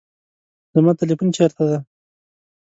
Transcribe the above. زما تلیفون چیرته دی؟